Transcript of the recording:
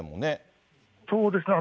そうですね。